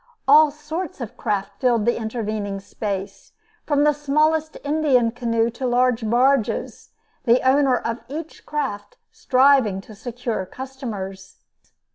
All sorts of craft filled the intervening space, from the smallest Indian canoe to large barges, the owner of each craft striving to secure customers.